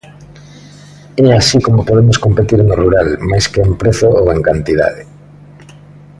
É así como podemos competir no rural, máis que en prezo ou en cantidade.